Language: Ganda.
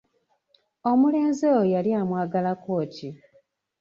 Omulenzi oyo yali amwagalako ki?